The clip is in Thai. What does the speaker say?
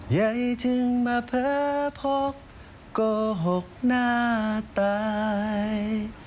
ใยจึงมาเพ้อพกกโกหกหน้าตาย